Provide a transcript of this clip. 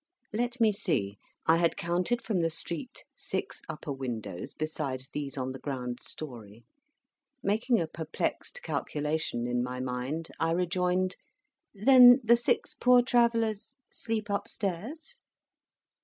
Let me see. I had counted from the street six upper windows besides these on the ground story. Making a perplexed calculation in my mind, I rejoined, "Then the six Poor Travellers sleep upstairs?"